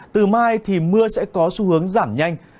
từ mai thì mưa sẽ có xu hướng giảm nhanh